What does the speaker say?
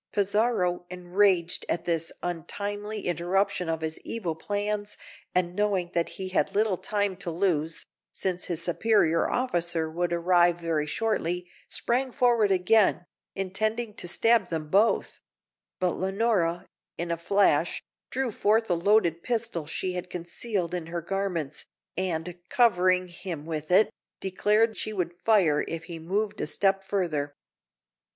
Pizarro, enraged at this untimely interruption of his evil plans, and knowing that he had little time to lose, since his superior officer would arrive very shortly, sprang forward again, intending to stab them both; but Leonora, in a flash, drew forth a loaded pistol she had concealed in her garments, and, covering him with it, declared she would fire if he moved a step further.